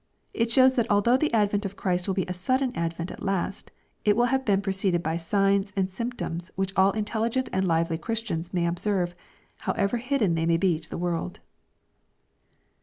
It shows that although the advent of Christ will be a sudden advent at last, it will have been preceded by signs and symptoms which all intelligent and lively Christians may observe, however hidden they may be to the v orld.